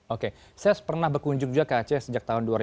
oke saya pernah berkunjung juga ke aceh sejak tahun dua ribu